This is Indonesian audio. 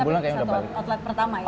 dua tiga bulan tapi satu outlet pertama ya